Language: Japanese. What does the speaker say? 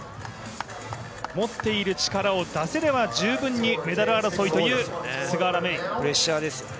持っている力を出せれば十分にメダル争いという菅原芽衣。プレッシャーですよね。